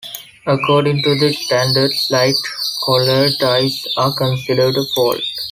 According to the standards, light-colored eyes are considered a fault.